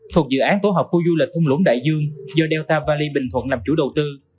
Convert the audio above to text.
thuộc dự án tổ hợp khu du lịch thung lũng đại dương do delta valley bình thuận làm chủ đầu tư